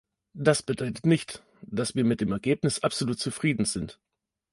Das bedeutet nicht, dass wir mit dem Ergebnis absolut zufrieden sind.